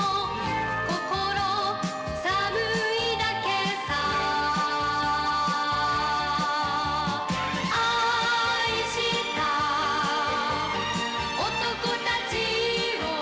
「心寒いだけさ」「愛した男たちを」